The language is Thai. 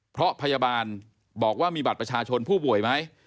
เพราะพยาบาลบอกว่ามีบัตรประชาชนผู้ป่วยไหม